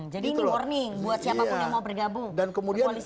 jadi ini warning buat siapapun yang mau bergabung